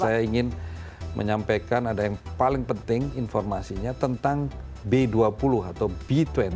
saya ingin menyampaikan ada yang paling penting informasinya tentang b dua puluh atau b dua puluh